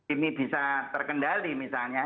ini bisa terkendali misalnya